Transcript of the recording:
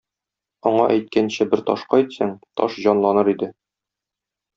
Аңа әйткәнче бер ташка әйтсәң, таш җанланыр иде.